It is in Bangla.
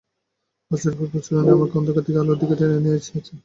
বছরের পর বছর উনি আমাকে অন্ধকার থেকে আলোর দিকে টেনে নিয়ে গেছেন।